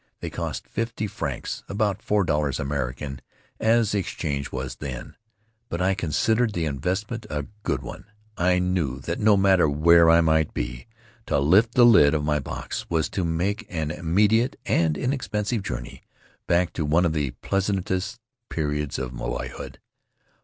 They cost fifty francs, about four dollars American, as the exchange was then, but I considered the invest ment a good one. I knew that, no matter where I might be, to lift the lid of my box was to make an immediate and inexpensive journey back to one of the pleasantest periods of boyhood.